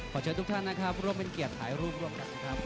ขอเชิญทุกท่านนะคะพูดร่วมเป็นเกียรติหายรูปด้วยกันนะครับ